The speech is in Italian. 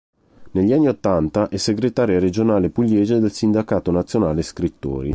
Negli anni Ottanta è segretaria regionale pugliese del Sindacato nazionale scrittori.